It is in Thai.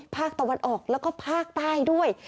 ภาคตะวันออกแล้วก็ภาคใต้ด้วย